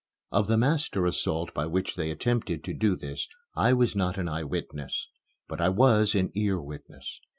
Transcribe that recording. Of the master assault by which they attempted to do this I was not an eyewitness. But I was an ear witness.